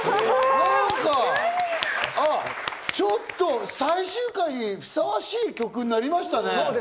なんかちょっと最終回にふさわしい曲になりましたね！